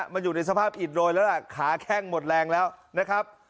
มันอยู่ในสภาพอิดโรยแล้วล่ะขาแข้งหมดแรงแล้วนะครับ